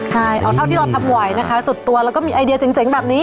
ใช่เอาเท่าที่เราทำไหวนะคะสุดตัวแล้วก็มีไอเดียเจ๋งแบบนี้